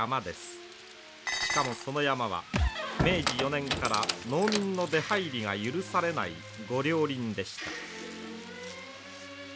しかもその山は明治４年から農民の出はいりが許されない御料林でした。